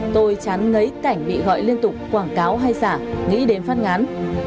tôi chán ngấy cảnh bị gọi liên tục quảng cáo hay giả nghĩ đến phát ngán